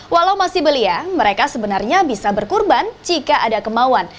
walau masih belia mereka sebenarnya bisa berkurban jika ada kemauan